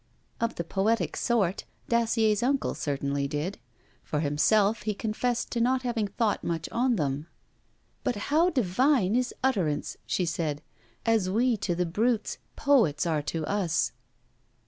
Of the poetic sort, Dacier's uncle certainly did. For himself he confessed to not having thought much on them. 'But how divine is utterance!' she said. 'As we to the brutes, poets are to us.'